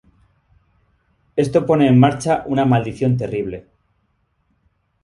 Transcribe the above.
Esto pone en marcha una maldición terrible.